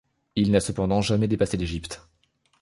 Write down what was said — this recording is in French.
Il n'a cependant jamais dépassé l’Égypte.